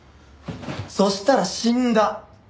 そしたら死んだ！